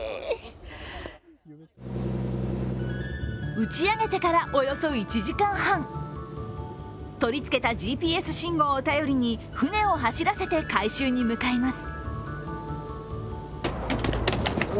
打ち上げてからおよそ１時間半、取り付けたＧＰＳ信号を頼りに船を走らせて回収に向かいます。